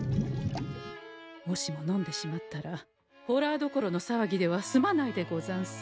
もしも飲んでしまったらホラーどころのさわぎでは済まないでござんす。